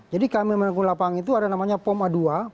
jadi kami menekung lapangan itu ada namanya pom a dua